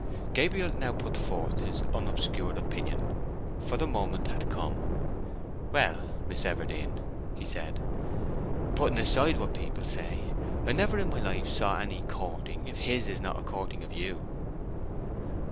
Gabriel now put forth his unobscured opinion, for the moment had come. "Well, Miss Everdene," he said, "putting aside what people say, I never in my life saw any courting if his is not a courting of you."